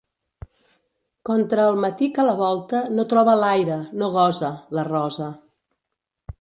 Contra el matí que la volta no troba l'aire, no gosa, la rosa.